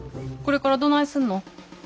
これからどないすんの？